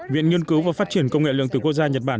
viện nghiên cứu và phát triển công nghệ lượng tử quốc gia nhật bản